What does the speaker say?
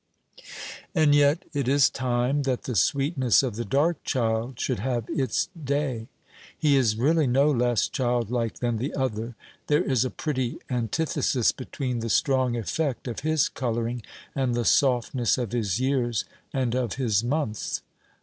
And yet it is time that the sweetness of the dark child should have its day. He is really no less childlike than the other. There is a pretty antithesis between the strong effect of his colouring and the softness of his years and of his months.